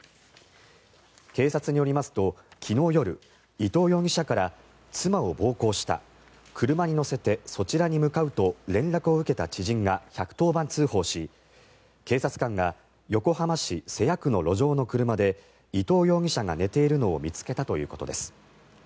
警察によりますと昨日夜、伊藤容疑者から妻を暴行した車に乗せてそちらに向かうと連絡を受けた知人が１１０番通報し警察官が横浜市瀬谷区の路上の車で伊藤容疑者が寝ているのを見つけたということです。